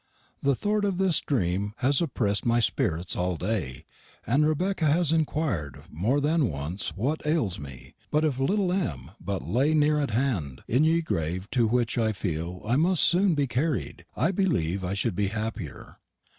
The thort of this dreme has oppress'd my speritts all day, and Rebecka has enquier'd more than wunce wot ales me. If little M. but lay nere at hande, in ye graive to wich I fele I must soone be carrid, I beleive I shou'd be happyer.